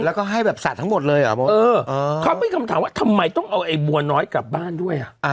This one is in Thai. แล้วก็ให้แบบสัตว์ทั้งหมดเลยเหรอเออเขามีคำถามว่าทำไมต้องเอาไอ้บัวน้อยกลับบ้านด้วยอ่ะ